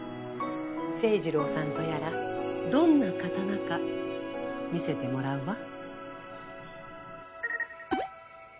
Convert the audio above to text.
清次郎さんとやらどんな刀か見せてもらうわ。